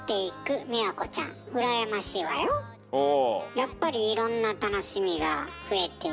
やっぱりいろんな楽しみが増えていくわけでしょ。